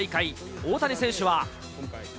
大谷選手は。